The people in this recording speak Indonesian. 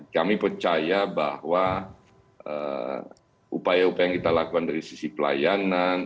kami percaya bahwa upaya upaya yang kita lakukan dari sisi pelayanan